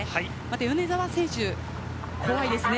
米澤選手、怖いですね。